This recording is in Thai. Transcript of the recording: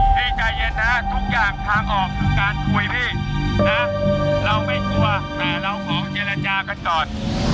ให้ใจเย็นนะทุกอย่างทางออกคือการคุยพี่นะเราไม่กลัวแต่เราขอเจรจากันก่อน